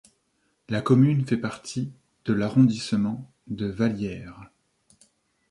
La commune fait partie de l'Arrondissement de Vallières.